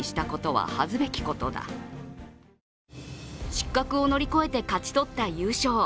失格を乗り越えて勝ち取った優勝。